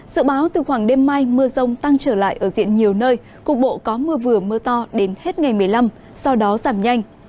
dự báo từ khoảng đêm mai mưa rông tăng trở lại ở diện nhiều nơi cục bộ có mưa vừa mưa to đến hết ngày một mươi năm sau đó giảm nhanh